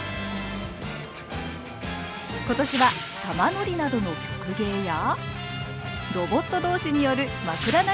今年は玉乗りなどの曲芸やロボット同士による枕投げ大会。